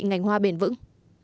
ngành hoa bền vững